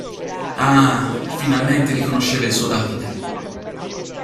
Ah, finalmente riconosceva il suo Davide!